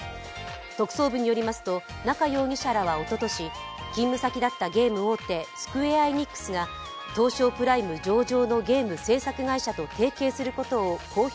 特捜部によりますと中容疑者らはおととし勤務先だったゲーム大手、スクウェア・エニックスが東証プライム上場のゲーム制作会社と提携することを公表